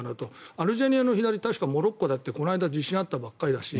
アルジェリアの左のモロッコだってこの間、地震があったばかりだし